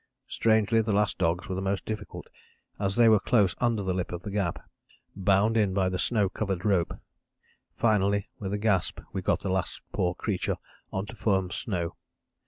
Strangely the last dogs were the most difficult, as they were close under the lip of the gap, bound in by the snow covered rope. Finally, with a gasp we got the last poor creature on to firm snow.